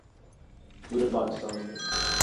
پورے پاکستان میں